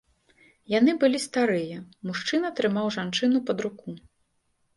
Яны былі старыя, мужчына трымаў жанчыну пад руку.